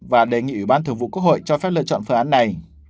và đề nghị ủy ban thường vụ quốc hội cho phép lựa chọn phương án này